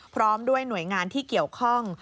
พร้อมด้วยหน่วยงานที่เกี่ยวข้อง